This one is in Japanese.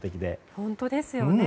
本当ですよね。